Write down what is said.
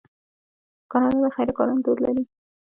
کاناډا د خیریه کارونو دود لري.